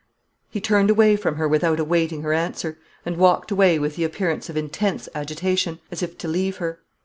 He turned away from her without awaiting her answer, and walked away with the appearance of intense agitation, as if to leave her.